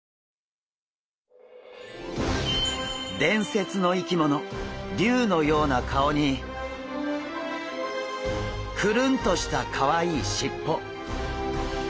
伝説の生き物竜のような顔にクルンとしたかわいいしっぽ。